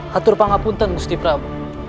hatur pengabuntan gusti prabu